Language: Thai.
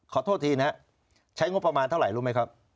ขอโทษทีนะครับใช้งบประมาณเท่าไหร่รู้ไหมครับ